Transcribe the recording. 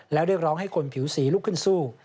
แล้วเรียกร้องให้คนผิวสีลุกขึ้นสู้